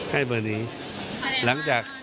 ท่านบุคคลาสมัคร